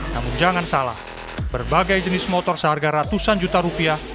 namun jangan salah berbagai jenis motor seharga ratusan juta rupiah